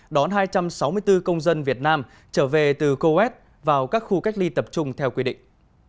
đón hai trăm sáu mươi bốn công dân việt nam trở về từ coet vào các khu cách ly tập trung theo quy định